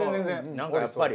なんかやっぱり。